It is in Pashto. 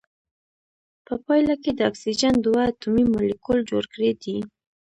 په پایله کې د اکسیجن دوه اتومي مالیکول جوړ کړی دی.